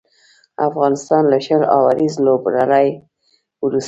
افغانستان له شل اوريزې لوبلړۍ وروسته